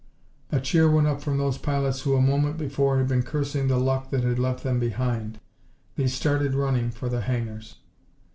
A cheer went up from those pilots who a moment before had been cursing the luck that had left them behind. They started running for the hangars.